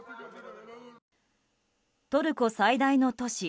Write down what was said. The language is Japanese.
トルコ最大の都市